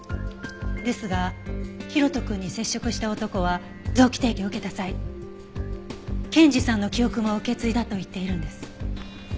ですが大翔くんに接触した男は臓器提供を受けた際健治さんの記憶も受け継いだと言っているんです。